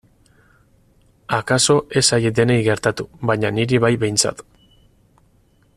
Akaso ez zaie denei gertatu baina niri bai behintzat.